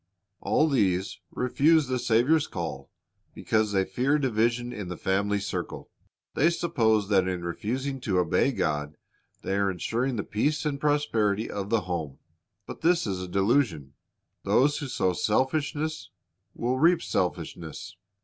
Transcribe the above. All these refuse the Saviour's call because they fear division in the family circle. They suppose that in refusing to obey God they are insuring the peace and prosperity of the home; but this is a delusion. Those who sow selfishness will reap selfishness.